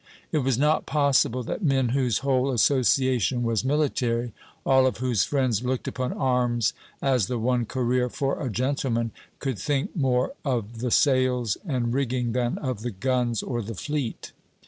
It was not possible that men whose whole association was military, all of whose friends looked upon arms as the one career for a gentleman, could think more of the sails and rigging than of the guns or the fleet.